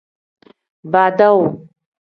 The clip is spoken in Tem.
Badawu.